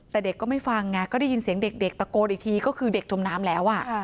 แต่เด็กก็ไม่ฟังไงก็ได้ยินเสียงเด็กตะโกนอีกทีก็คือเด็กจมน้ำแล้ว